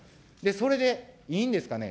それでいいんですかね。